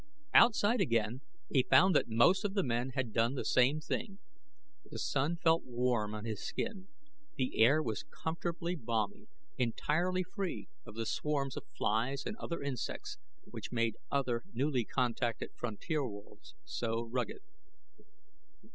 Outside again, he found that most of the men had done the same thing. The sun felt warm on his skin; the air was comfortably balmy, entirely free of the swarms of flies and other insects which made other newly contacted frontier worlds so rugged.